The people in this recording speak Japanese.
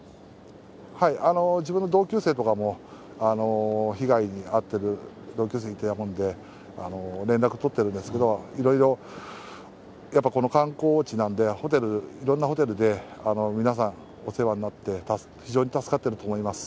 自分の同級生とかも、被害に遭ってる同級生いたもんで、連絡取っているんですけど、いろいろ、やっぱこの観光地なんで、ホテル、いろんなホテルで皆さんお世話になって、非常に助かってると思います。